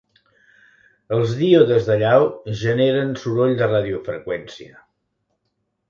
Els díodes d'allau generen soroll de radiofreqüència.